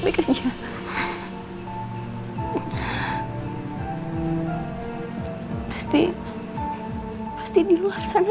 makanya sama kebelakang